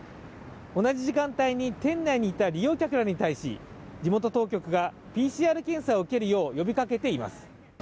同じ時間帯に店内にいた利用客らに対し地元当局がＰＣＲ検査を受けるように呼びかけています。